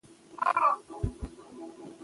د نړۍ ډېر خلک د الفا اکتینین درې پروټین نه لري.